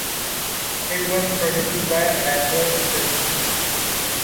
It was produced by Rathaus Films.